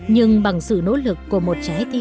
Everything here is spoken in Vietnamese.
những cái nốt nhạc cảm thấy nó